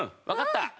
わかった。